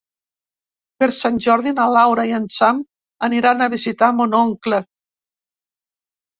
Per Sant Jordi na Laura i en Sam aniran a visitar mon oncle.